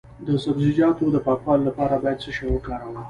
د سبزیجاتو د پاکوالي لپاره باید څه شی وکاروم؟